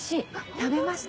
食べました？